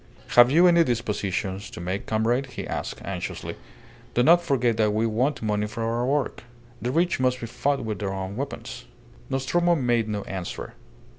"Have you any dispositions to make, comrade?" he asked, anxiously. "Do not forget that we want money for our work. The rich must be fought with their own weapons." Nostromo made no answer.